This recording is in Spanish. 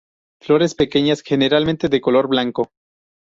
Flores pequeñas, generalmente de color blanco.